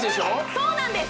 そうなんです